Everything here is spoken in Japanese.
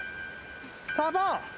サバ。